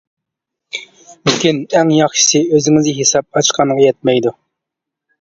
-لېكىن ئەڭ ياخشىسى ئۆزىڭىز ھېساب ئاچقانغا يەتمەيدۇ.